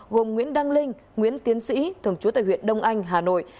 gồm nguyễn đăng linh nguyễn tiến sĩ thường trú tại huyện đông anh hà nội